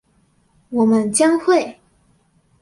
我們將會